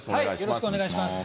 よろしくお願いします。